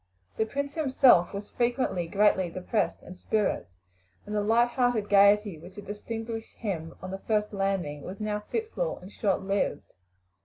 The prince himself was frequently greatly depressed in spirits, and the light hearted gaiety which had distinguished him on the first landing was now fitful and short lived.